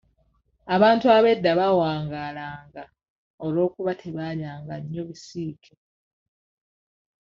Abantu ab'edda bawangaalanga olw'okuba tebaalyanga nnyo bisiike.